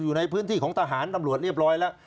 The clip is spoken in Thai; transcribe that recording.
อยู่ในพื้นที่ของทหารตำรวจเรียบร้อยแล้ว